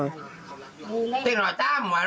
ติดหน่อยตามหัวเราะไปไหนได้ไหม